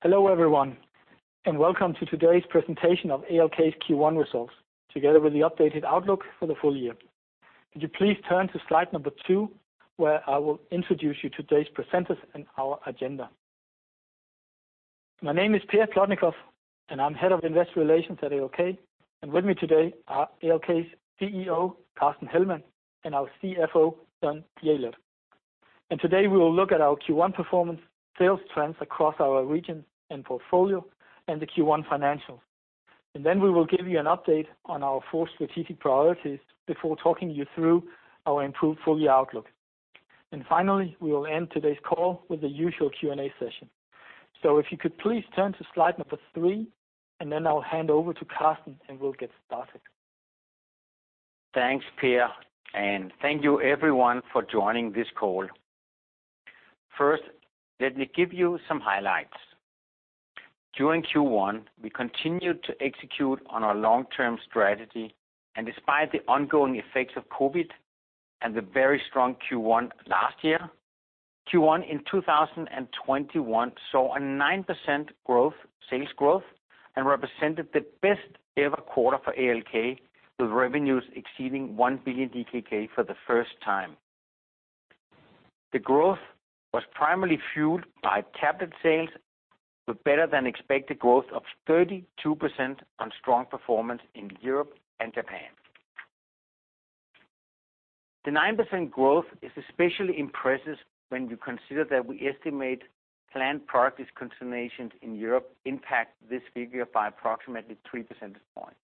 Hello, everyone, and welcome to today's presentation of ALK's Q1 results, together with the updated outlook for the full year. Could you please turn to slide number two, where I will introduce you to today's presenters and our agenda. My name is Per Plotnikof, and I am Head of Investor Relations at ALK. With me today are ALK's CEO, Carsten Hellmann, and our CFO, Søren Jelert. Today, we will look at our Q1 performance, sales trends across our regions and portfolio, and the Q1 financials. We will give you an update on our four strategic priorities before talking you through our improved full-year outlook. Finally, we will end today's call with the usual Q&A session. If you could please turn to slide number three, and then I will hand over to Carsten, and we will get started. Thanks, Per, and thank you, everyone, for joining this call. First, let me give you some highlights. During Q1, we continued to execute on our long-term strategy, and despite the ongoing effects of COVID and the very strong Q1 last year, Q1 in 2021 saw a 9% sales growth and represented the best ever quarter for ALK, with revenues exceeding 1 billion DKK for the first time. The growth was primarily fueled by tablet sales, with better-than-expected growth of 32% on strong performance in Europe and Japan. The 9% growth is especially impressive when you consider that we estimate planned product discontinuations in Europe impact this figure by approximately 3 percentage points.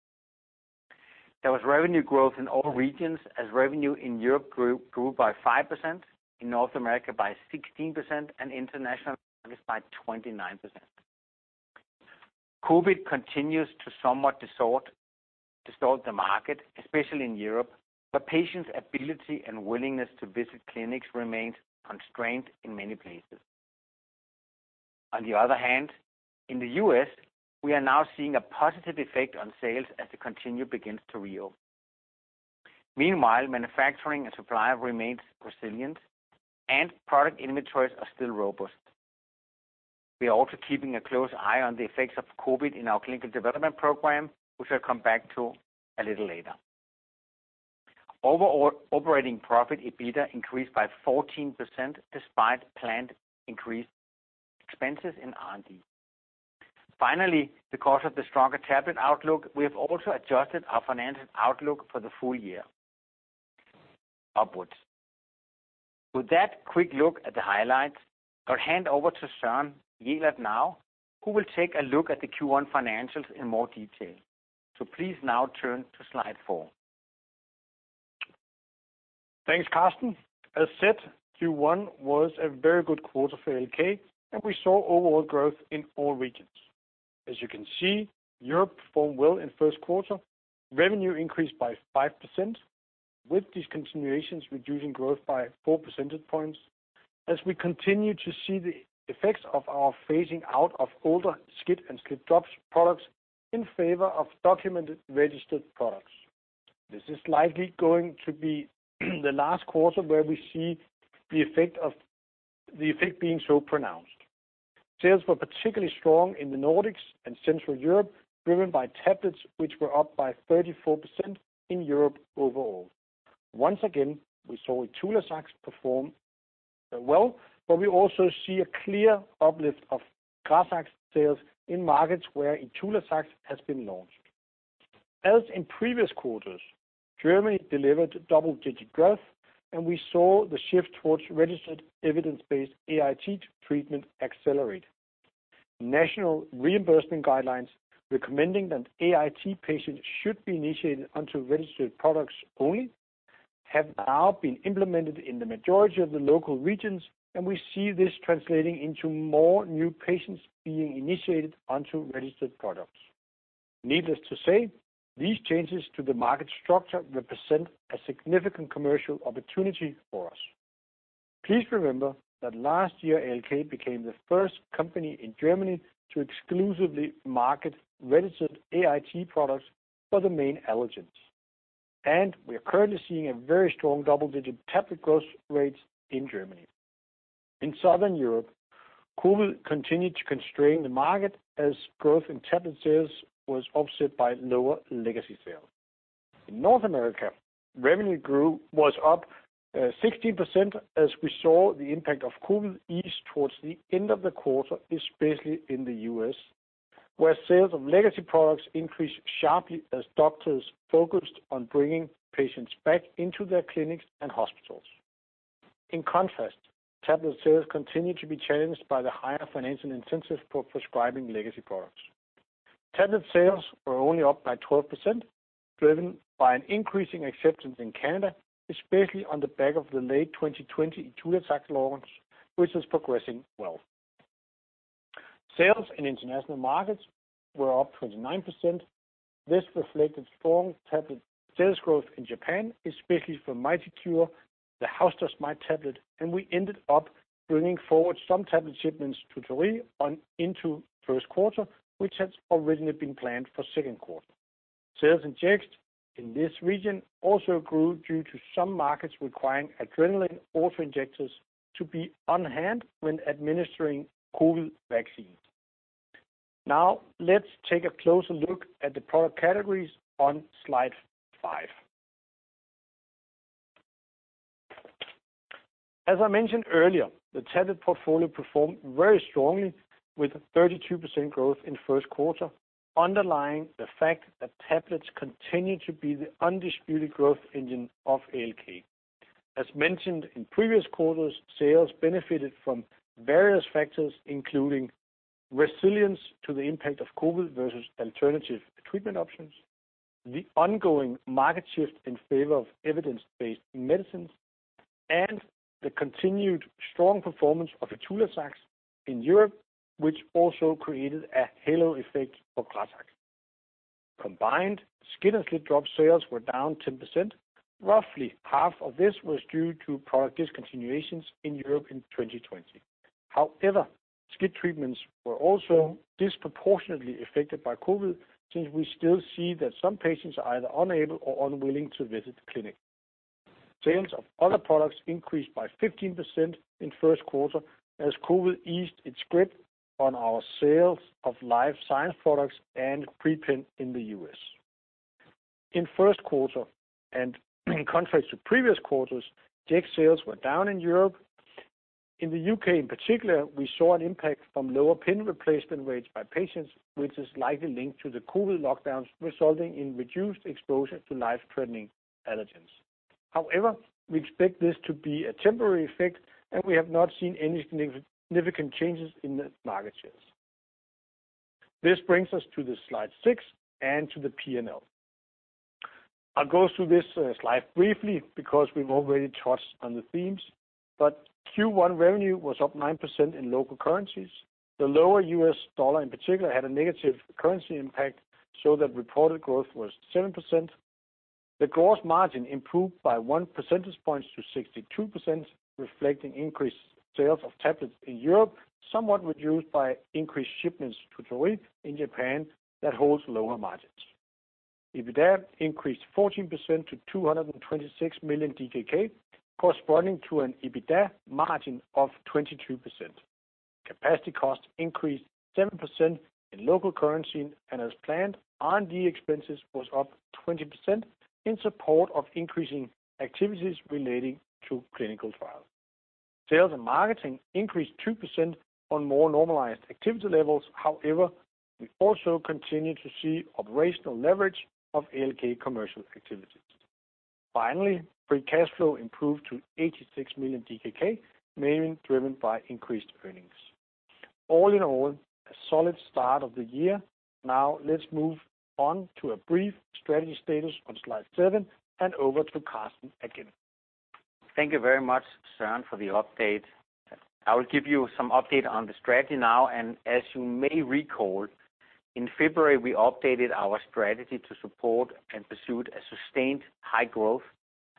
There was revenue growth in all regions as revenue in Europe grew by 5%, in North America by 16%, and international markets by 29%. COVID continues to somewhat distort the market, especially in Europe, but patients' ability and willingness to visit clinics remains constrained in many places. In the U.S., we are now seeing a positive effect on sales as they continue to reopen. Meanwhile, manufacturing and supply remain resilient, and product inventories are still robust. We are also keeping a close eye on the effects of COVID in our clinical development program, which I'll come back to a little later. Overall operating profit, EBITDA, increased by 14% despite planned increased expenses in R&D. Finally, because of the stronger tablet outlook, we have also adjusted our financial outlook for the full year upwards. With that quick look at the highlights, I'll hand over to Søren Jelert now, who will take a look at the Q1 financials in more detail. Please now turn to slide four. Thanks, Carsten. As said, Q1 was a very good quarter for ALK. We saw overall growth in all regions. As you can see, Europe performed well in the first quarter. Revenue increased by 5%, with discontinuations reducing growth by four percentage points, as we continue to see the effects of our phasing out of older SCIT and SLIT-drops products in favor of documented registered products. This is likely going to be the last quarter where we see the effect being so pronounced. Sales were particularly strong in the Nordics and Central Europe, driven by tablets, which were up by 34% in Europe overall. Once again, we saw ITULAZAX perform well. We also see a clear uplift of GRAZAX sales in markets where ITULAZAX has been launched. As in previous quarters, Germany delivered double-digit growth. We saw the shift towards registered evidence-based AIT treatment accelerate. National reimbursement guidelines recommending that AIT patients should be initiated onto registered products only have now been implemented in the majority of the local regions, and we see this translating into more new patients being initiated onto registered products. Needless to say, these changes to the market structure represent a significant commercial opportunity for us. Please remember that last year, ALK became the first company in Germany to exclusively market registered AIT products for the main allergens, and we are currently seeing a very strong double-digit tablet growth rate in Germany. In Southern Europe, COVID continued to constrain the market as growth in tablet sales was offset by lower legacy sales. In North America, revenue was up 16% as we saw the impact of COVID ease towards the end of the quarter, especially in the U.S., where sales of legacy products increased sharply as doctors focused on bringing patients back into their clinics and hospitals. In contrast, tablet sales continue to be challenged by the higher financial incentive for prescribing legacy products. Tablet sales were only up by 12%, driven by an increasing acceptance in Canada, especially on the back of the late 2020 ITULATEK launch, which is progressing well. Sales in international markets were up 29%. This reflected strong tablet sales growth in Japan, especially for MITICURE, the house dust mite tablet, and we ended up bringing forward some tablet shipments to Torii into the first quarter, which had originally been planned for the second quarter. Sales in Jext in this region also grew due to some markets requiring adrenaline auto-injectors to be on hand when administering COVID vaccines. Let's take a closer look at the product categories on slide five. As I mentioned earlier, the tablet portfolio performed very strongly with 32% growth in the first quarter, underlying the fact that tablets continue to be the undisputed growth engine of ALK. As mentioned in previous quarters, sales benefited from various factors, including resilience to the impact of COVID versus alternative treatment options, the ongoing market shift in favor of evidence-based medicines, and the continued strong performance of ITULATEK in Europe, which also created a halo effect for GRAZAX. Combined SCIT and SLIT-drops sales were down 10%. Roughly half of this was due to product discontinuations in Europe in 2020. However, SCIT treatments were also disproportionately affected by COVID, since we still see that some patients are either unable or unwilling to visit the clinic. Sales of other products increased by 15% in the first quarter as COVID eased its grip on our sales of life science products and PRE-PEN in the U.S. In contrast to previous quarters, Jext sales were down in Europe. In the U.K. in particular, we saw an impact from lower pen replacement rates by patients, which is likely linked to the COVID lockdowns, resulting in reduced exposure to life-threatening allergens. We expect this to be a temporary effect, and we have not seen any significant changes in the market shares. This brings us to the slide six and to the P&L. I'll go through this slide briefly because we've already touched on the themes. Q1 revenue was up 9% in local currencies. The lower U.S. dollar, in particular, had a negative currency impact. Reported growth was 7%. The gross margin improved by one percentage point to 62%, reflecting increased sales of tablets in Europe, somewhat reduced by increased shipments to Torii in Japan, that holds lower margins. EBITDA increased 14% to 226 million DKK, corresponding to an EBITDA margin of 22%. Capacity costs increased 7% in local currency, and as planned, R&D expenses was up 20% in support of increasing activities relating to clinical trials. Sales and marketing increased 2% on more normalized activity levels. However, we also continue to see operational leverage of ALK commercial activities. Finally, free cash flow improved to 86 million DKK, mainly driven by increased earnings. All in all, a solid start of the year. Let's move on to a brief strategy status on slide seven and over to Carsten again. Thank you very much, Søren, for the update. I will give you some update on the strategy now. As you may recall, in February, we updated our strategy to support and pursue a sustained high growth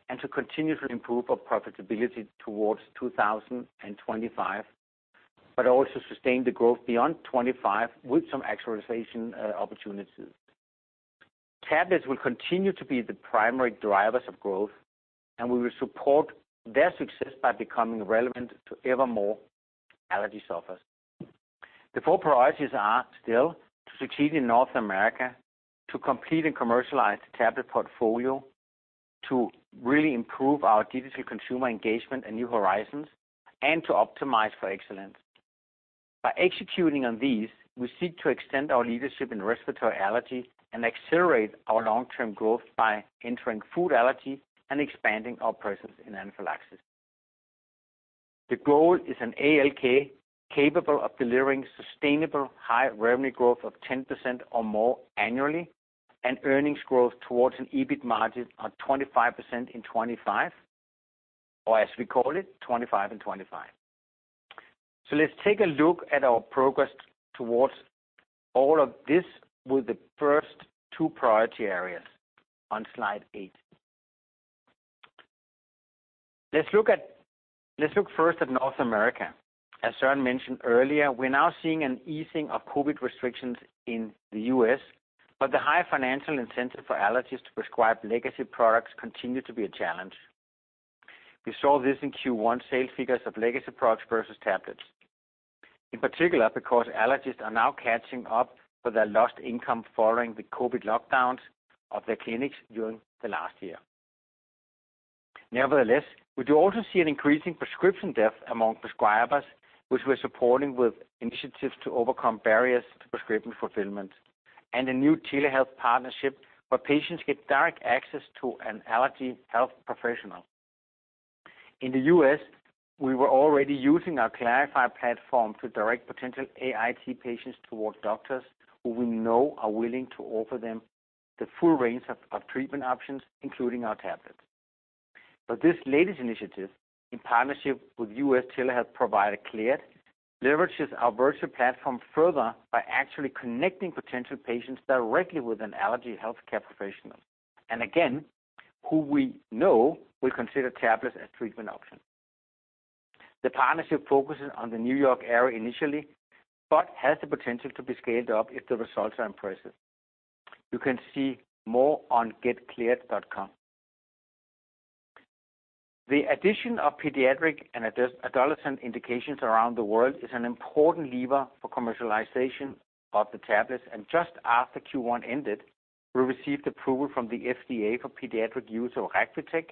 and to continue to improve our profitability towards 2025, but also sustain the growth beyond 2025 with some actualization opportunities. Tablets will continue to be the primary drivers of growth, and we will support their success by becoming relevant to ever more allergy sufferers. The four priorities are still to succeed in North America, to complete and commercialize the tablet portfolio, to really improve our digital consumer engagement and new horizons, and to optimize for excellence. By executing on these, we seek to extend our leadership in respiratory allergy and accelerate our long-term growth by entering food allergy and expanding our presence in anaphylaxis. The goal is an ALK capable of delivering sustainable high revenue growth of 10% or more annually, and earnings growth towards an EBIT margin of 25% in 2025, or as we call it, 25% in 2025. Let's take a look at our progress towards all of this with the first two priority areas on slide eight. Let's look first at North America. As Søren mentioned earlier, we're now seeing an easing of COVID restrictions in the U.S., but the high financial incentive for allergists to prescribe legacy products continues to be a challenge. We saw this in Q1 sales figures of legacy products versus tablets. In particular, because allergists are now catching up for their lost income following the COVID lockdowns of their clinics during the last year. Nevertheless, we do also see an increasing prescription depth among prescribers, which we are supporting with initiatives to overcome barriers to prescription fulfillment and a new telehealth partnership where patients get direct access to an allergy health professional. In the U.S., we were already using our Klarify platform to direct potential AIT patients towards doctors who we know are willing to offer them the full range of treatment options, including our tablets. This latest initiative, in partnership with U.S. telehealth provider Cleared, leverages our virtual platform further by actually connecting potential patients directly with an allergy healthcare professional, and again, who we know will consider tablets as a treatment option. The partnership focuses on the New York area initially, but has the potential to be scaled up if the results are impressive. You can see more on getcleared.com. The addition of pediatric and adolescent indications around the world is an important lever for the commercialization of the tablets. Just after Q1 ended, we received approval from the FDA for pediatric use of RAGWITEK,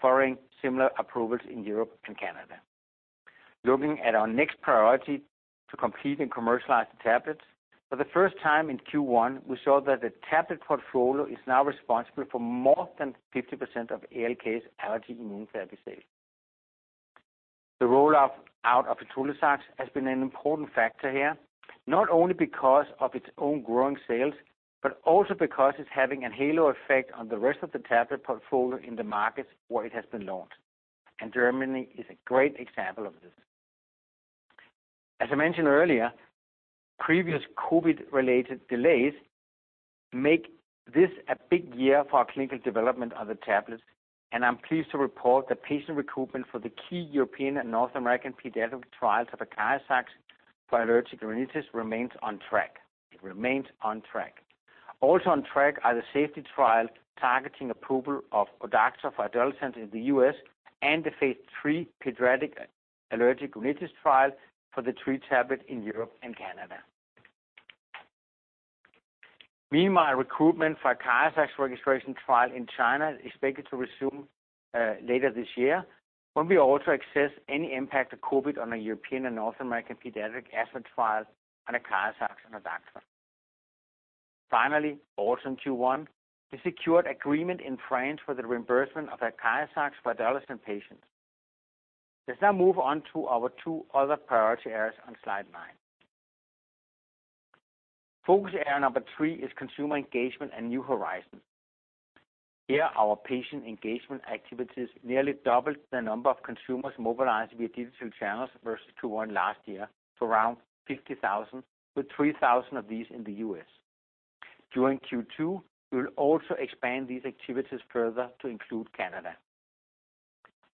following similar approvals in Europe and Canada. Looking at our next priority to complete and commercialize the tablets, for the first time in Q1, we saw that the tablet portfolio is now responsible for more than 50% of ALK's allergy immunotherapy sales. The roll-off out of [Audenex] has been an important factor here, not only because of its own growing sales, but also because it's having a halo effect on the rest of the tablet portfolio in the markets where it has been launched. Germany is a great example of this. As I mentioned earlier, previous COVID-related delays make this a big year for our clinical development of the tablets, and I'm pleased to report that patient recruitment for the key European and North American pediatric trials of ACARIZAX for allergic rhinitis remains on track. It remains on track. Also on track are the safety trials targeting approval of ODACTRA for adolescents in the U.S. and the phase III pediatric allergic rhinitis trial for the three tablets in Europe and Canada. Meanwhile, recruitment for ACARIZAX registration trial in China is expected to resume later this year, when we also assess any impact of COVID on the European and North American pediatric asthma trials on ACARIZAX and ODACTRA. Finally, also in Q1, we secured agreement in France for the reimbursement of ACARIZAX for adolescent patients. Let's now move on to our two other priority areas on slide nine. Focus area number three is consumer engagement and new horizons. Here, our patient engagement activities nearly doubled the number of consumers mobilized via digital channels versus Q1 last year to around 50,000, with 3,000 of these in the U.S. During Q2, we will also expand these activities further to include Canada.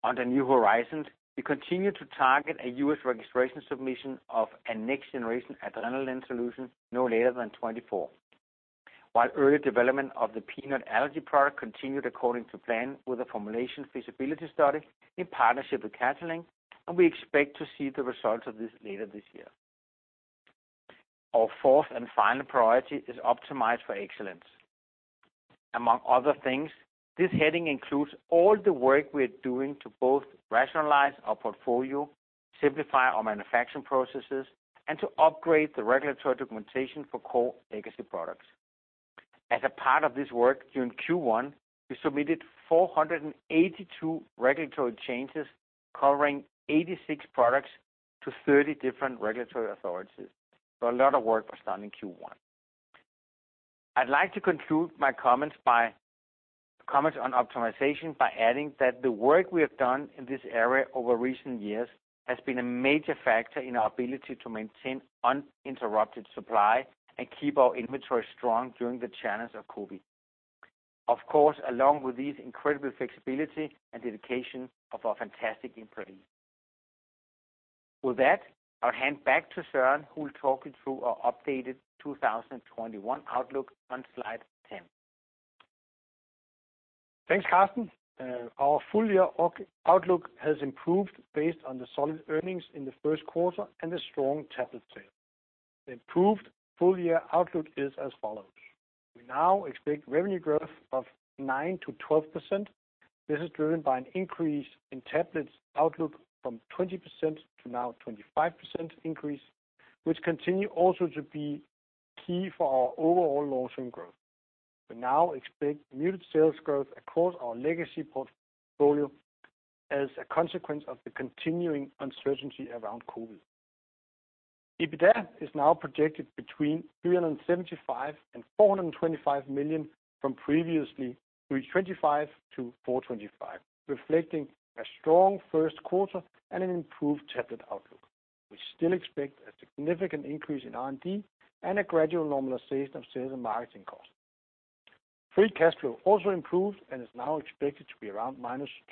Under new horizons, we continue to target a U.S. registration submission of a next-generation adrenaline solution no later than 2024. While early development of the peanut allergy product continued according to plan, with a formulation feasibility study in partnership with Catalent, and we expect to see the results of this later this year. Our fourth and final priority is to optimize for excellence. Among other things, this heading includes all the work we are doing to both rationalize our portfolio, simplify our manufacturing processes, and to upgrade the regulatory documentation for core legacy products. As a part of this work, during Q1, we submitted 482 regulatory changes covering 86 products to 30 different regulatory authorities. A lot of work was done in Q1. I'd like to conclude my comments on optimization by adding that the work we have done in this area over recent years has been a major factor in our ability to maintain uninterrupted supply and keep our inventory strong during the challenge of COVID. Of course, along with these, incredible flexibility and dedication of our fantastic employees. With that, I'll hand back to Søren, who will talk you through our updated 2021 outlook on slide 10. Thanks, Carsten. Our full-year outlook has improved based on the solid earnings in the first quarter and the strong tablet sales. The improved full-year outlook is as follows. We now expect revenue growth of 9%-12%. This is driven by an increase in tablets outlook from 20% to now 25% increase, which continue also to be key for our overall long-term growth. We now expect muted sales growth across our legacy portfolio as a consequence of the continuing uncertainty around COVID. EBITDA is now projected between 375 million and 425 million from previously 325 million to 425 million, reflecting a strong first quarter and an improved tablet outlook. We still expect a significant increase in R&D and a gradual normalization of sales and marketing costs. Free cash flow also improved and is now expected to be around -200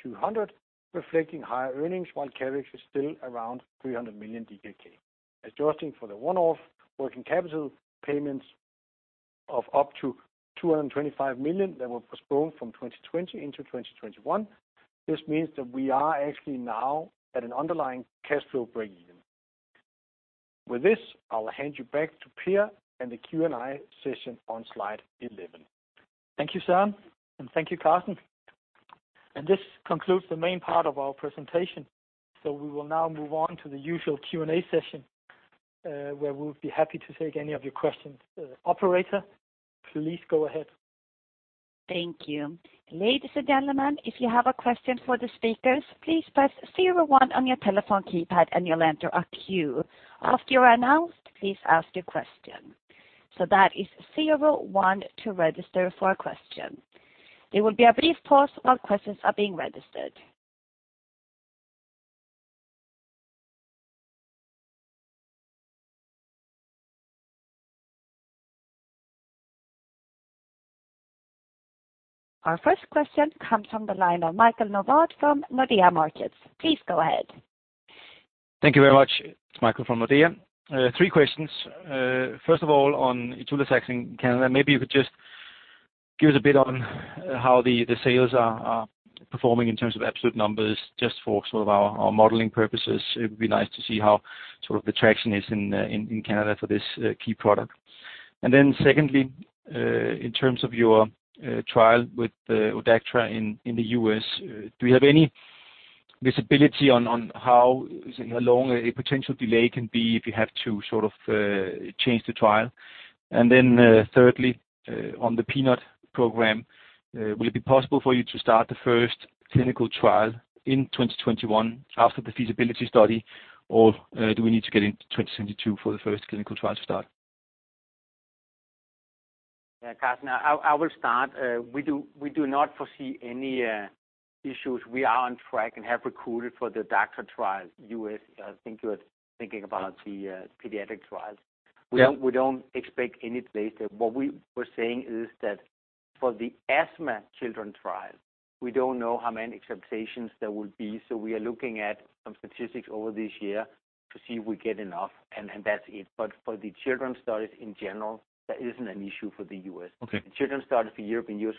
million, reflecting higher earnings, while CapEx is still around 300 million DKK. Adjusting for the one-off working capital payments of up to 225 million that were postponed from 2020 into 2021, this means that we are actually now at an underlying cash flow breakeven. With this, I will hand you back to Per and the Q&A session on slide 11. Thank you, Søren, and thank you, Carsten. This concludes the main part of our presentation. We will now move on to the usual Q&A session, where we'll be happy to take any of your questions. Operator, please go ahead. Thank you. Ladies and gentlemen, if you have a question for the speakers, please press zero one on your telephone keypad, and you'll enter a queue. After you are announced, please ask your question. That is zero one to register for a question. There will be a brief pause while questions are being registered. Our first question comes from the line of Michael Novod from Nordea Markets. Please go ahead. Thank you very much. It's Michael from Nordea. Three questions. First of all, on ITULATEK in Canada, maybe you could just give us a bit on how the sales are performing in terms of absolute numbers, just for sort of our modeling purposes. It would be nice to see how the traction is in Canada for this key product. Secondly, in terms of your trial with the ODACTRA in the U.S., do you have any visibility on how long a potential delay can be if you have to change the trial? Thirdly, on the peanut program, will it be possible for you to start the first clinical trial in 2021 after the feasibility study? Do we need to get into 2022 for the first clinical trial to start? Yeah, Carsten, I will start. We do not foresee any issues. We are on track and have recruited for the ODACTRA trial, U.S. I think you're thinking about the pediatric trials. Yeah. We don't expect any delays there. What we were saying is that for the asthma children trial, we don't know how many acceptances there will be, so we are looking at some statistics over this year to see if we get enough, and that's it. For the children's studies in general, that isn't an issue for the U.S. Okay. The children's study for European U.S.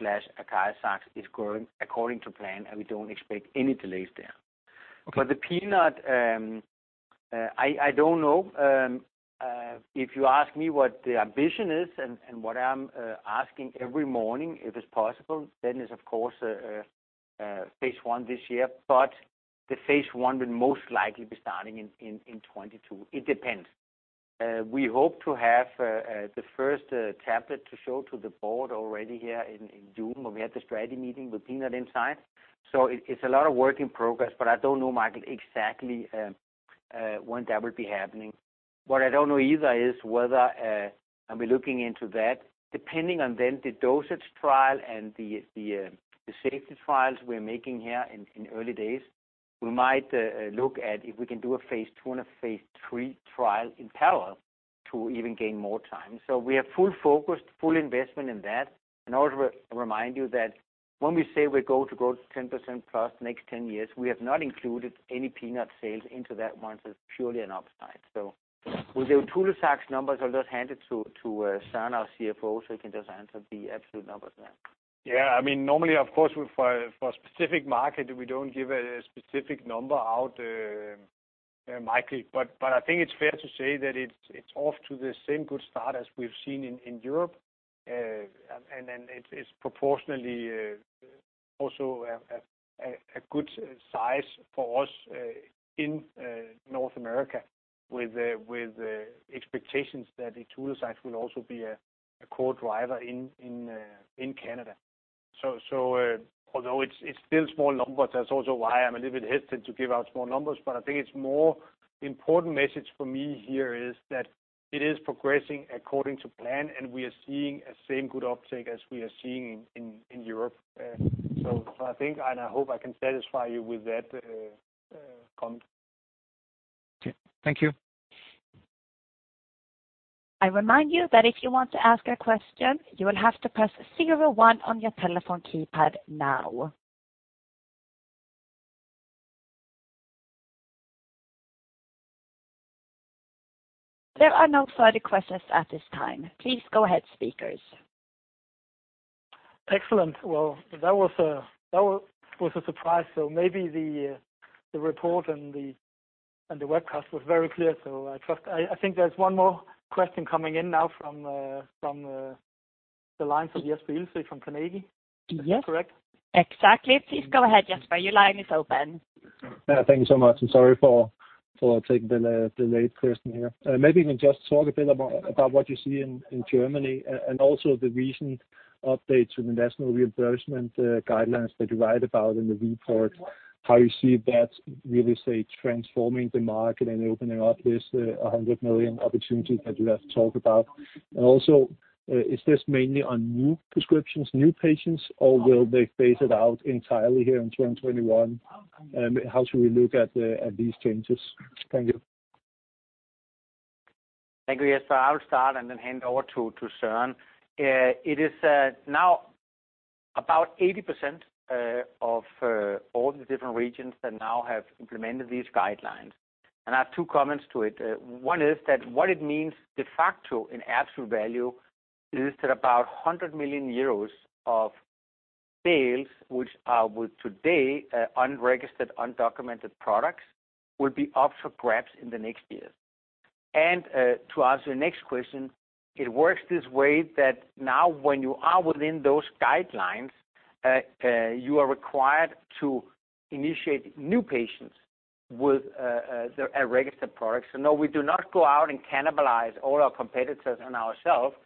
ODACTRA/ACARIZAX is going according to plan, and we don't expect any delays there. Okay. For the peanut, I don't know. If you ask me what the ambition is and what I'm asking every morning, if it's possible, it's of course phase I this year. The phase I will most likely be starting in 2022. It depends. We hope to have the first tablet to show to the board already here in June, when we had the strategy meeting with peanut inside. It's a lot of work in progress, but I don't know, Michael, exactly when that will be happening. What I don't know either is whether I'll be looking into that, depending on then the dosage trial and the safety trials we're making here in early days. We might look at if we can do a phase II and a phase III trial in parallel to even gain more time. We are fully focused, fully investment in that. In order to remind you that when we say we're going to grow to 10%+ next 10 years, we have not included any peanut sales into that one. That's purely an upside. With the ITULATEK numbers, I'll just hand it to Søren, our CFO, so he can just answer the absolute numbers there. Yeah, normally, of course, for a specific market, we don't give a specific number out, Michael. I think it's fair to say that it's off to the same good start as we've seen in Europe. It is proportionately also a good size for us in North America, with the expectation that ITULATEK will also be a core driver in Canada. Although it's still small numbers, that's also why I'm a little bit hesitant to give out small numbers. I think it's more important message for me here is that it is progressing according to plan. We are seeing the same good uptake as we are seeing in Europe. I think. I hope I can satisfy you with that comment. Okay. Thank you. I remind you that if you want to ask a question, you will have to press zero one on your telephone keypad now. There are no further questions at this time. Please go ahead, speakers. Excellent. Well, that was a surprise. Maybe the report and the webcast was very clear. I think there's one more question coming in now from the lines of Jesper Ilsøe from Carnegie. Yes. Is that correct? Exactly. Please go ahead, Jesper. Your line is open. Yeah. Thank you so much, sorry for taking the late question here. Maybe you can just talk a bit about what you see in Germany, also the recent updates with the national reimbursement guidelines that you write about in the report, how you see that really transforming the market and opening up these 100 million opportunities that you have talked about. Also, is this mainly on new prescriptions, new patients, or will they phase it out entirely here in 2021? How should we look at these changes? Thank you. Thank you, Jesper. I will start and then hand over to Søren. It is now about 80% of all the different regions that now have implemented these guidelines. I have two comments to it. One is that what it means de facto in absolute value is that about 100 million euros of sales, which are with today unregistered, undocumented products, will be up for grabs in the next year. To answer your next question, it works this way that now when you are within those guidelines, you are required to initiate new patients with a registered product. No, we do not go out and cannibalize all our competitors and ourselves,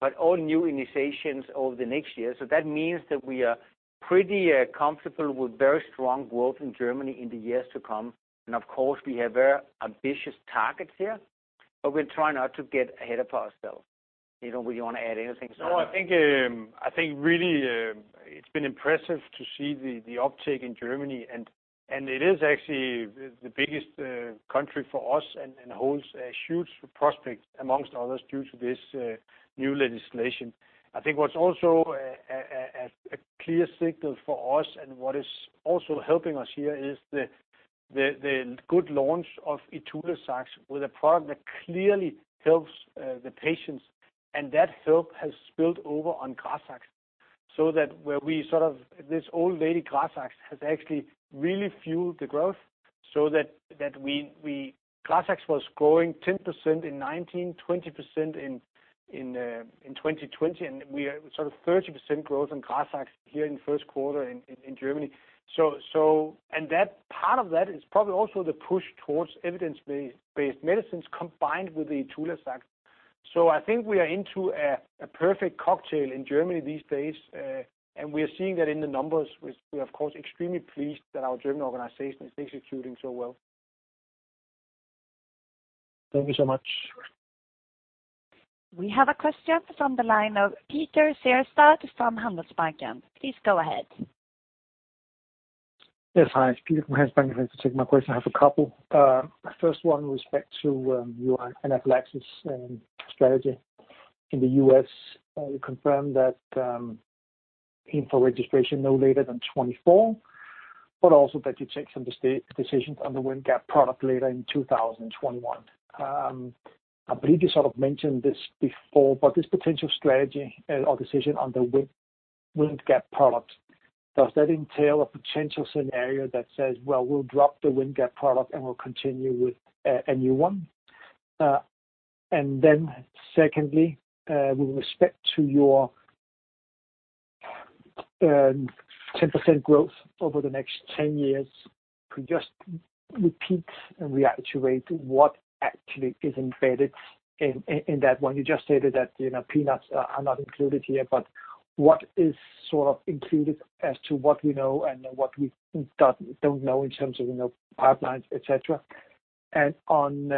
but all new initiatives over the next year. That means that we are pretty comfortable with very strong growth in Germany in the years to come, and of course, we have very ambitious targets here, but we'll try not to get ahead of ourselves. Do you want to add anything to that? I think really it's been impressive to see the uptake in Germany, it is actually the biggest country for us and holds a huge prospect among others due to this new legislation. I think what's also a clear signal for us and what is also helping us here is the good launch of ITULAZAX with a product that clearly helps the patients, and that help has spilled over on GRAZAX, so that where we sort of this old lady GRAZAX has actually really fueled the growth. GRAZAX was growing 10% in 2019, 20% in 2020, and we are sort of 30% growth on GRAZAX here in the first quarter in Germany. Part of that is probably also the push towards evidence-based medicines, combined with the ITULAZAX. I think we are into a perfect cocktail in Germany these days, and we are seeing that in the numbers, which we, of course, are extremely pleased that our German organization is executing so well. Thank you so much. We have a question from the line of Peter Sehested from Handelsbanken. Please go ahead. Yes. Hi. Peter from Handelsbanken. Thanks for taking my question. I have a couple. First one with respect to your anaphylaxis strategy in the U.S. You confirmed that you aim for registration no later than 2024, also that you take some decisions on the Windgap product later in 2021. I believe you sort of mentioned this before, but this potential strategy or decision on the Windgap product does that entail a potential scenario that says, well, we'll drop the Windgap product, and we'll continue with a new one? Secondly, with respect to your 10% growth over the next 10 years, could you just repeat and reiterate what is actually embedded in that one? You just stated that Peanuts are not included here, but what is sort of included as to what we know and what we don't know in terms of pipelines, et cetera? On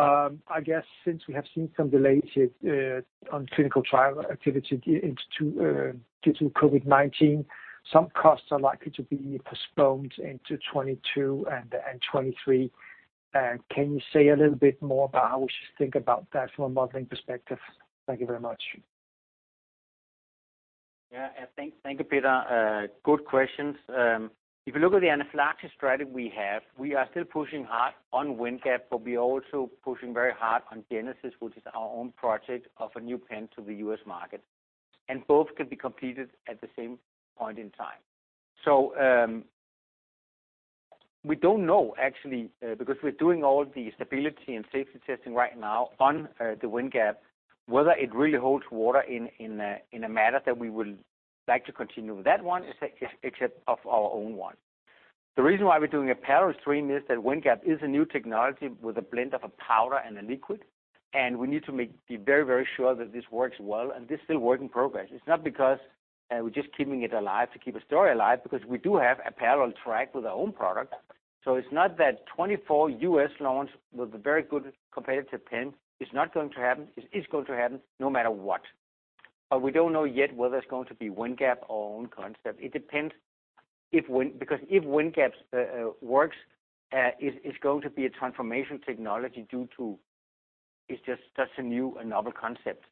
R&D costs, I guess, since we have seen some delays on clinical trial activity due to COVID-19, some costs are likely to be postponed into 2022 and 2023. Can you say a little bit more about how we should think about that from a modeling perspective? Thank you very much. Yeah. Thank you, Peter. Good questions. If you look at the anaphylaxis strategy we have, we are still pushing hard on Windgap, but we are also pushing very hard on Genesis, which is our own project of a new pen to the U.S. market, and both can be completed at the same point in time. We don't know actually, because we're doing all the stability and safety testing right now on the Windgap, whether it really holds water in a manner that we will like to continue with that one, except of our own one. The reason why we're doing a parallel stream is that Windgap is a new technology with a blend of a powder and a liquid, and we need to be very sure that this works well, and this is still work in progress. It's not because we're just keeping it alive to keep a story alive, because we do have a parallel track with our own product. It's not that the 2024 U.S. launch with a very good competitive pen is not going to happen. It is going to happen no matter what. We don't know yet whether it's going to be Windgap or own concept. It depends, because if Windgap works, it's going to be a transformation technology due to its just such a new and novel concept.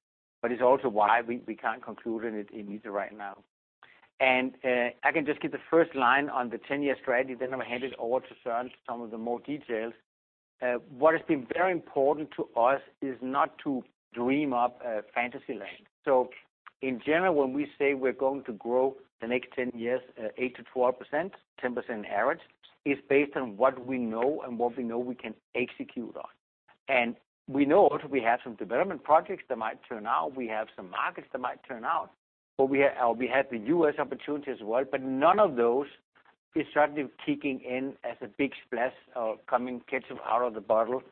It's also why we can't conclude on it either right now. I can just give the first line on the 10-year strategy, then I'm going to hand it over to Søren for some of the more details. What has been very important to us is not to dream up a fantasy land. In general, when we say we're going to grow the next 10 years, 8%-12%, 10% average, is based on what we know and what we know we can execute on. We also know we have some development projects that might turn out. We have some markets that might turn out, or we have the U.S. opportunity as well, but none of those is suddenly kicking in as a big splash or coming ketchup out of the bottle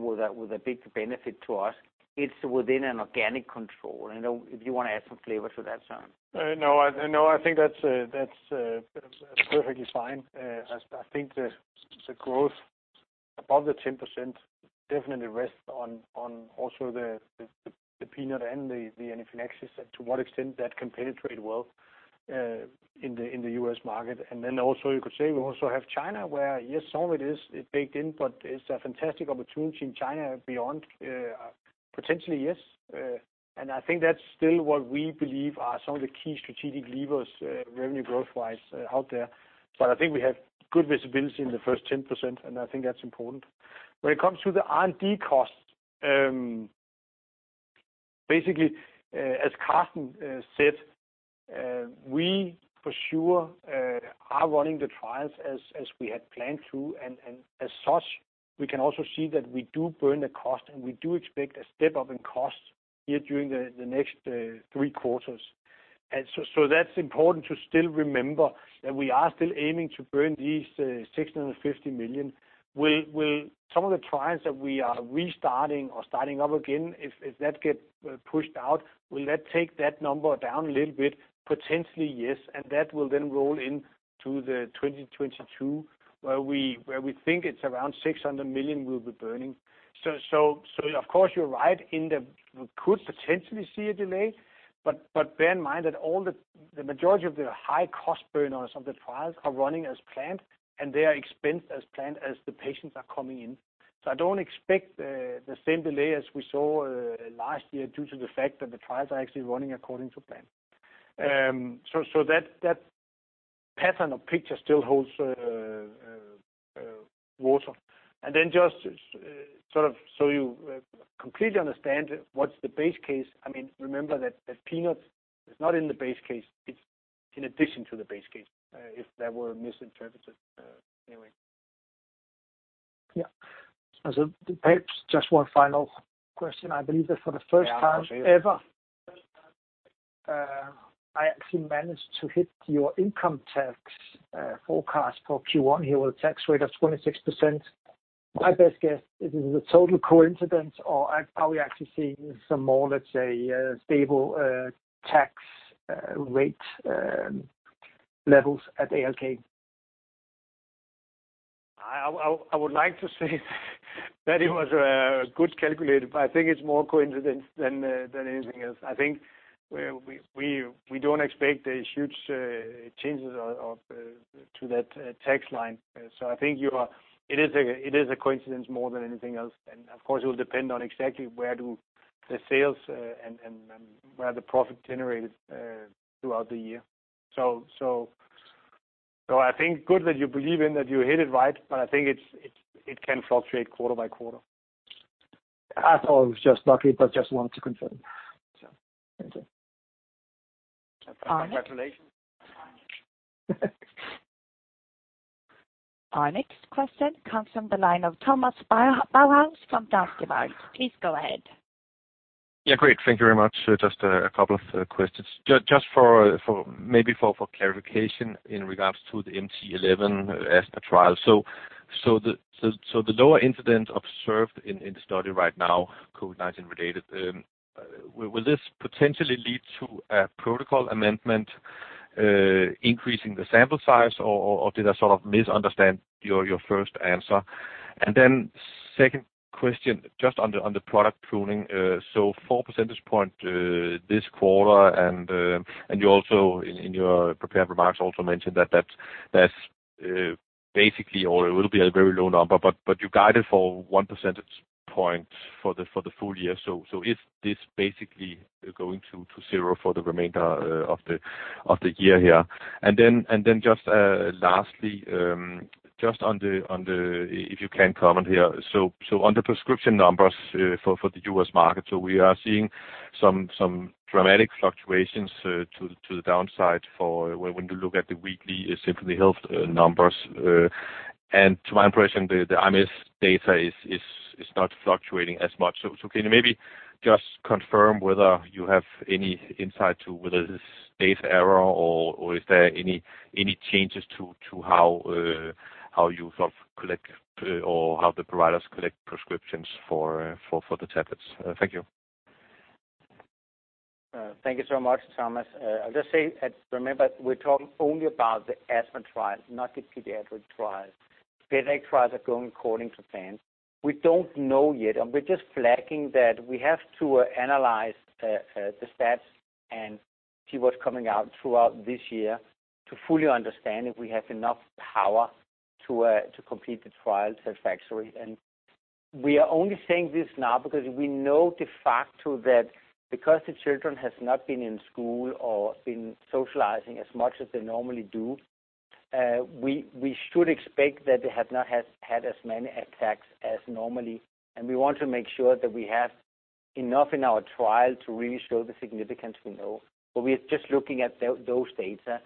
with a big benefit to us. It's within an organic control. If you want to add some flavor to that, Søren. No, I think that's perfectly fine. I think the growth above the 10% definitely rests on also the Peanut and the anaphylaxis, and to what extent that can penetrate well in the U.S. market. Also, you could say we also have China, where yes, some of it is baked in, but it's a fantastic opportunity in China beyond, potentially, yes. I think that's still what we believe are some of the key strategic levers, revenue growth-wise, out there. I think we have good visibility in the first 10%, and I think that's important. When it comes to the R&D costs, basically, as Carsten said, we for sure are running the trials as we had planned to, and as such, we can also see that we do burn the cost, and we do expect a step-up in cost here during the next three quarters. That's important to still remember that we are still aiming to burn these 650 million. Some of the trials that we are restarting or starting up again, if that gets pushed out, will that take that number down a little bit? Potentially, yes. That will then roll into the 2022, where we think it's around 600 million we'll be burning. Of course, you're right, we could potentially see a delay. Bear in mind that the majority of the high-cost burners of the trials are running as planned, and they are expensed as planned as the patients are coming in. I don't expect the same delay as we saw last year due to the fact that the trials are actually running according to plan. That pattern or picture still holds water. Then, just so you completely understand what's the base case, remember that peanut is not in the base case; it's in addition to the base case. If that were misinterpreted anyway. Yeah. Perhaps just one final question. I believe that for the first time ever- Yeah I actually managed to hit your income tax forecast for Q1 here with a tax rate of 26%. My best guess is this is a total coincidence, or are we actually seeing some more, let's say, stable tax rate levels at ALK? I would like to say that it was well calculated, but I think it's more of a coincidence than anything else. I think we don't expect huge changes to that tax line. I think it is a coincidence more than anything else. Of course, it will depend on exactly where the sales and where the profit are generated throughout the year. I think it is good that you believe in that you hit it right, but I think it can fluctuate quarter by quarter. I thought it was just lucky, but I just wanted to confirm. Thank you. Congratulations. Our next question comes from the line of Thomas Bowers from Danske Bank. Please go ahead. Thank you very much. Just a couple of questions. Maybe for clarification in regards to the MT-11 asthma trial. The lower incident observed in the study right now, COVID-19 related, will this potentially lead to a protocol amendment increasing the sample size, or did I sort of misunderstand your first answer? Second question, just on the product pruning. 4 percentage points this quarter, and you also mentioned in your prepared remarks that that's basically, or it will be a very low number, but you guided for one percentage point for the full year. Is this basically going to zero for the remainder of the year here? Lastly, if you can comment here on the prescription numbers for the U.S. market. We are seeing some dramatic fluctuations to the downside for when you look at the weekly Symphony Health numbers. To my impression, the IMS data is not fluctuating as much. Can you maybe just confirm whether you have any insight to whether this is a data error, or is there any changes to how you collect or how the providers collect prescriptions for the tablets? Thank you. Thank you so much, Thomas. I'll just say, remember, we're talking only about the asthma trial, not the pediatric trial. Pediatric trials are going according to plan. We don't know yet, and we're just flagging that we have to analyze the stats and see what's coming out throughout this year to fully understand if we have enough power to complete the trial satisfactorily. We are only saying this now because we know de facto that, because the children have not been in school or been socializing as much as they normally do, we should expect that they have not had as many attacks as normally. We want to make sure that we have enough in our trial to really show the significance we know. We are just looking at those data.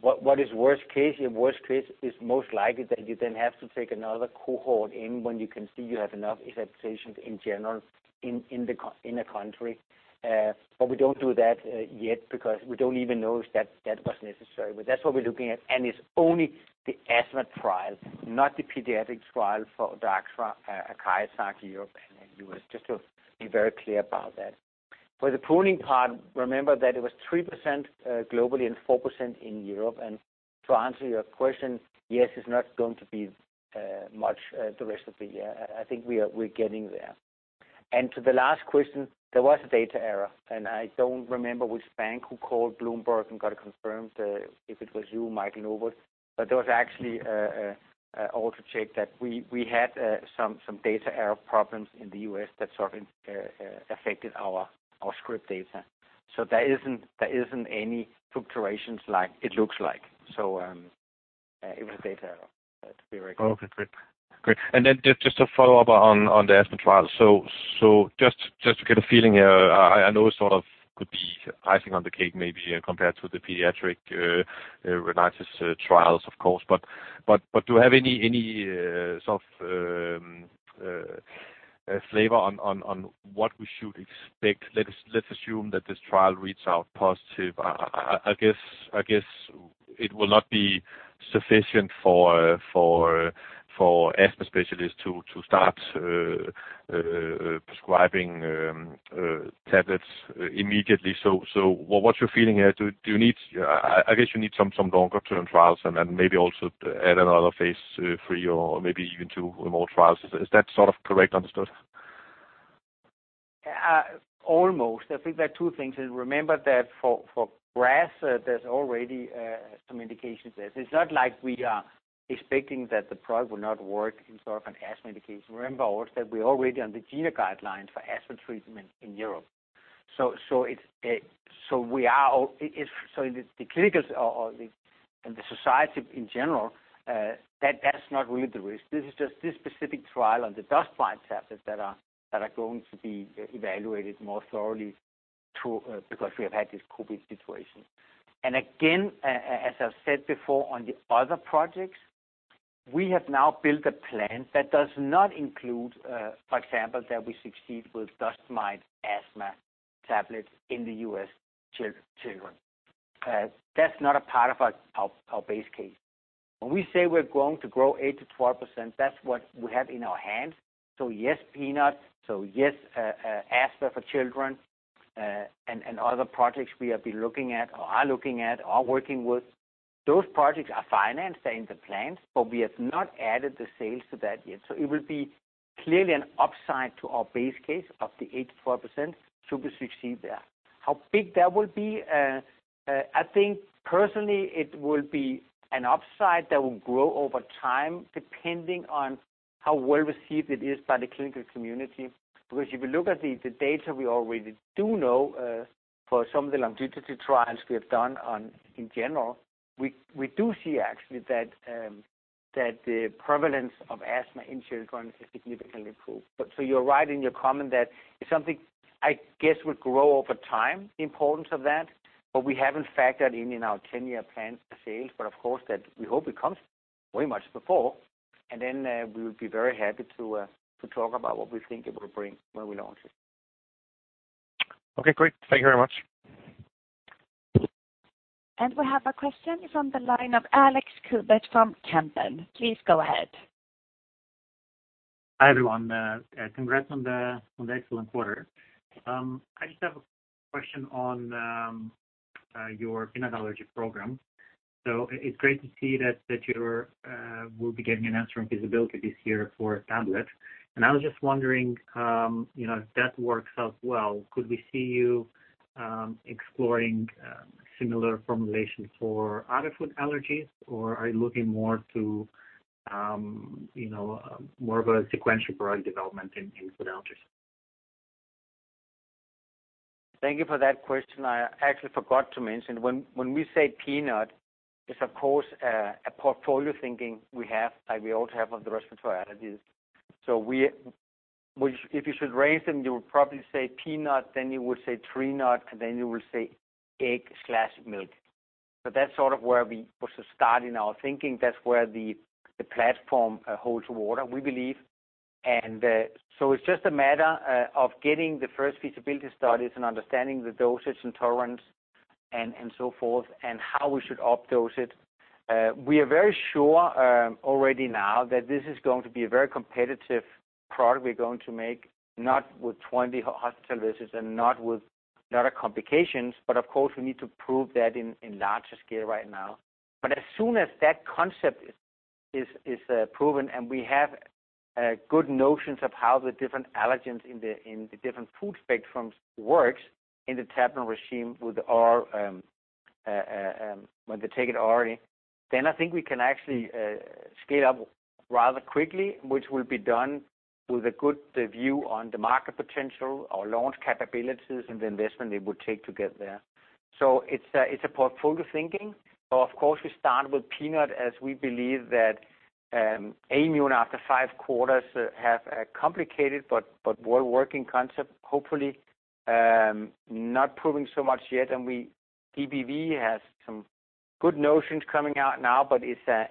What is the worst case? Worst case is most likely that you then have to take another cohort in when you can see you have enough exacerbations in general in the country. We don't do that yet because we don't even know if that was necessary. That's what we're looking at. It's only the asthma trial, not the pediatrics trial for DUPIXENT, ACARIZAX in Europe and then the U.S., just to be very clear about that. For thepeanut part, remember that it was 3% globally and 4% in Europe. To answer your question, yes, it's not going to be much the rest of the year. I think we're getting there. To the last question, there was a data error, and I don't remember which bank who called Bloomberg and got it confirmed, if it was you, Michael Novod. There was actually also a check that we had some data error problems in the U.S. that sort of affected our script data. There isn't any fluctuations like it looks like. It was a data error to be very clear. Okay, great. Just a follow-up on the asthma trial. Just to get a feeling here, I know it sort of could be icing on the cake, maybe compared to the pediatric rhinitis trials, of course, but do you have any sort of flavor on what we should expect? Let's assume that this trial reads out positive. I guess it will not be sufficient for asthma specialists to start prescribing tablets immediately. What's your feeling here? I guess you need some longer-term trials and then maybe also add another phase III or maybe even two more trials. Is that sort of correct understood? Almost. I think there are two things: remember that for grass, there's already some indications there. It's not like we are expecting that the product will not work in a sort of asthma indication. Remember also, we're already on the GINA guidelines for asthma treatment in Europe. In the clinicals or in society in general, that's not really the risk. This is just this specific trial on the dust mite tablets that are going to be evaluated more thoroughly because we have had this COVID situation. Again, as I've said before on the other projects, we have now built a plan that does not include, for example, that we succeed with dust mite asthma tablets in the U.S. children. That's not a part of our base case. When we say we're going to grow 8%-12%, that's what we have in our hands. Yes, peanut, yes, asthma for children, and other projects we have been looking at or are looking at or working with. Those projects are financed, they're in the plans, but we have not added the sales to that yet. It will clearly be an upside to our base case of the 8%-12%, should we succeed there. How big that will be? I think personally it will be an upside that will grow over time, depending on how well received it is by the clinical community. If you look at the data, we already do know for some of the longitudinal trials we have done in general, we do see actually that the prevalence of asthma in children has significantly improved. You're right in your comment that it's something, I guess would grow over time, the importance of that. We haven't factored in in our 10-year plans for sales. Of course that we hope it comes way much before. Then we would be very happy to talk about what we think it will bring when we launch it. Okay, great. Thank you very much. We have a question from the line of Alex Cogut from Kempen. Please go ahead. Hi, everyone. Congrats on the excellent quarter. I just have a question on your peanut allergy program. It's great to see that you will be getting an answer on feasibility this year for a tablet, and I was just wondering if that works out well, could we see you exploring similar formulations for other food allergies, or are you looking more of a sequential product development in food allergies? Thank you for that question. I actually forgot to mention, when we say peanut, it is, of course, a portfolio thinking we have, like we also have on the respiratory allergies. If you should raise them, you would probably say peanut, then you would say tree nut, and then you will say egg/milk. That's sort of where we also start in our thinking. That's where the platform holds water, we believe. It is just a matter of getting the first feasibility studies and understanding the dosage and tolerance and so forth, and how we should up dose it. We are very sure already now that this is going to be a very competitive product we're going to make, not with 20 hospital visits and not with a lot of complications, but of course, we need to prove that in larger scale right now. As soon as that concept is proven and we have good notions of how the different allergens in the different food spectrums work in the tablet regime when they take it already, then I think we can actually scale up rather quickly, which will be done with a good view on the market potential, our launch capabilities, and the investment it would take to get there. It's a portfolio thinking. Of course, we start with peanut as we believe that Aimmune, after five quarters have a complicated but well-working concept, hopefully not proving so much yet. DBV has some good notions coming out now, but it's a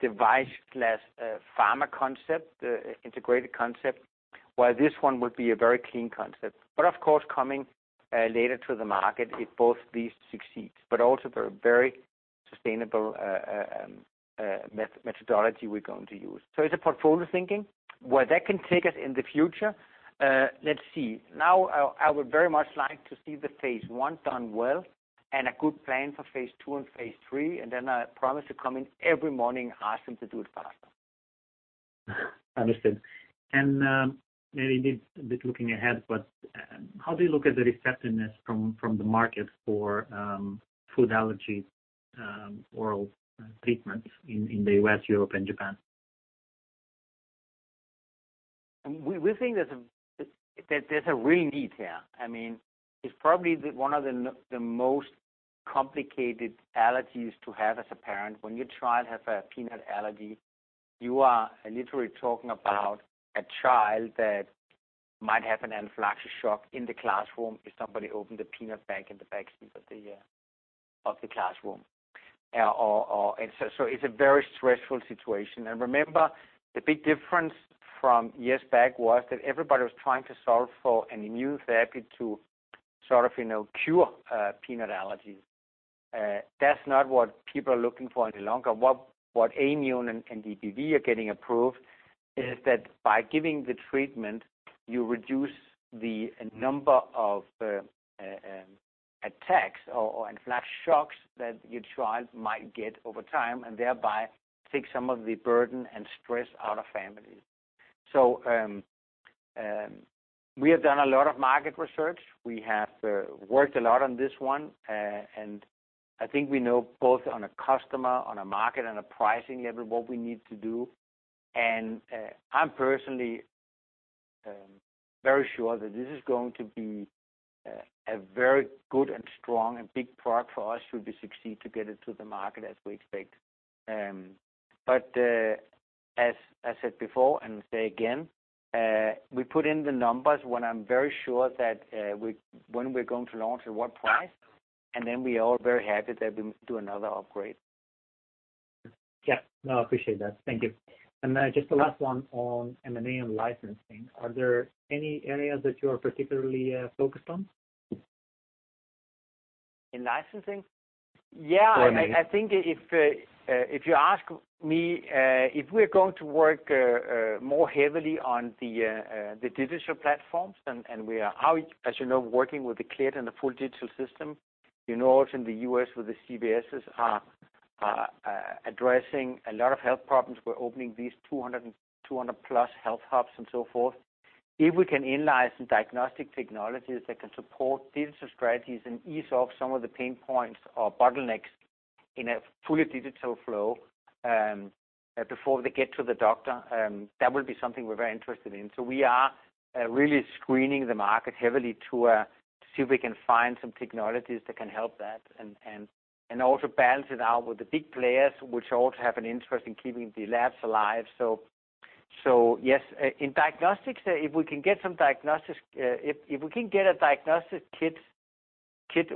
device/pharma concept, integrated concept, while this one would be a very clean concept. Of course, coming later to the market if both these succeed. Also, the very sustainable methodology we're going to use. It's a portfolio thinking. Where that can take us in the future, let's see. I would very much like to see the phase I done well and a good plan for phase II and phase III, and then I promise to come in every morning asking to do it faster. Understood. Maybe a bit looking ahead, how do you look at the receptiveness from the market for food allergy oral treatments in the U.S., Europe, and Japan? We think that there's a real need here. It's probably one of the most complicated allergies to have as a parent. When your child have a peanut allergy, you are literally talking about a child that might have an anaphylactic shock in the classroom if somebody opened a peanut bag in the backseat of the classroom. It's a very stressful situation. Remember, the big difference from years back was that everybody was trying to solve for an immunotherapy to sort of cure peanut allergies. That's not what people are looking for any longer. What Aimmune and DBV are getting approved is that by giving the treatment, you reduce the number of attacks or anaphylactic shocks that your child might get over time, and thereby take some of the burden and stress out of families. We have done a lot of market research. We have worked a lot on this one. I think we know both on a customer, on a market, and a pricing level, what we need to do. I'm personally very sure that this is going to be a very good, and strong, and big product for us should we succeed to get it to the market as we expect. As I said before and say again, we put in the numbers when I'm very sure that when we're going to launch at what price, we are very happy that we do another upgrade. Yeah, no, I appreciate that. Thank you. Just the last one on M&A and licensing. Are there any areas that you are particularly focused on? In licensing? Yeah. M&A. I think if you ask me, if we're going to work more heavily on the digital platforms and we are out, as you know, working with the Cleared and the full digital system, you know, also in the U.S., with the CVSs are addressing a lot of health problems. We're opening these 200+ health hubs and so forth. If we can in-license diagnostic technologies that can support digital strategies and ease off some of the pain points or bottlenecks in a fully digital flow before they get to the doctor, that will be something we're very interested in. So we are really screening the market heavily to see if we can find some technologies that can help that and also balance it out with the big players, which also have an interest in keeping the labs alive. Yes, in diagnostics, if we can get a diagnostic kit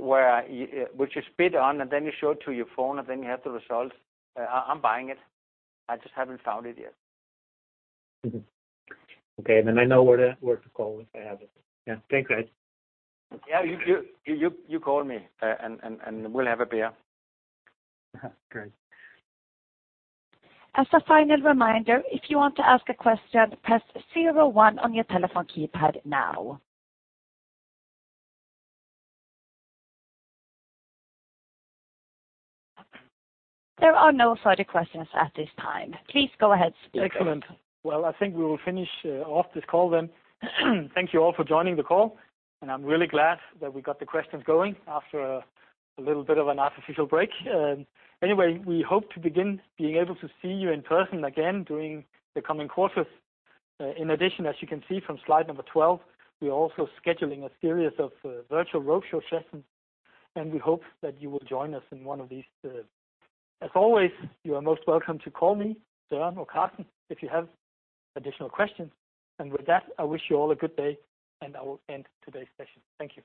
which you spit on and then you show it to your phone, and then you have the results, I'm buying it. I just haven't found it yet. Mm-hmm. Okay, I know where to call if I have it. Yeah. Thanks, guys. Yeah, you call me, and we'll have a beer. Great. There are no further questions at this time. Please go ahead, speaker. Excellent. Well, I think we will finish off this call then. Thank you all for joining the call, and I'm really glad that we got the questions going after a little bit of an artificial break. Anyway, we hope to begin being able to see you in person again during the coming quarters. In addition, as you can see from slide number 12, we are also scheduling a series of virtual roadshow sessions, and we hope that you will join us in one of these soon. As always, you are most welcome to call me, Søren, or Carsten if you have additional questions. With that, I wish you all a good day, and I will end today's session. Thank you.